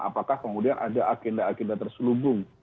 apakah kemudian ada akinda akinda terselubung